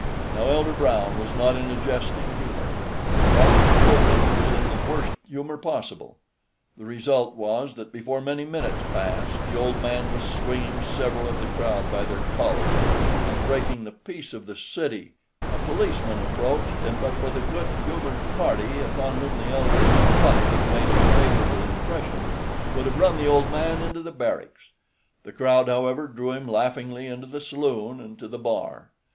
Now Elder Brown was not in a jesting humor. Positively he was in the worst humor possible. The result was that before many minutes passed the old man was swinging several of the crowd by their collars, and breaking the peace of the city. A policeman approached, and but for the good humored party, upon whom the elder's pluck had made a favorable impression, would have run the old man into the barracks. The crowd, however, drew him laughingly into the saloon and to the bar.